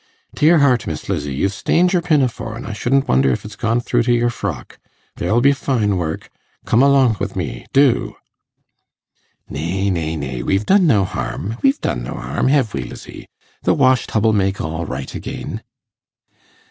Dear heart, Miss Lizzie, you've stained your pinafore, an' I shouldn't wonder if it's gone through to your frock. There'll be fine work! Come alonk wi' me, do.' 'Nay, nay, nay, we've done no harm, we've done no harm, hev we, Lizzie? The wash tub'll make all right again.